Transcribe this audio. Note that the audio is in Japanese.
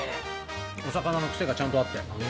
お魚の癖がちゃんとあって。